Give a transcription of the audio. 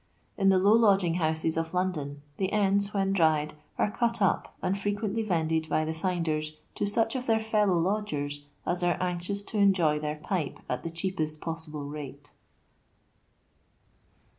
In the low lodging houses of London the ends, when dried, are cut up, and firequently vended by the finders to such of their fellow lodgers as are anxious to enjoy their pipe at the cheapest possible rate.